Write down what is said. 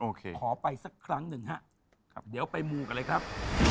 ขอไปสักครั้งหนึ่งฮะเดี๋ยวไปมูกันเลยครับ